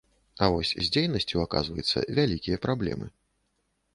А вось з дзейнасцю, аказваецца, вялікія праблемы.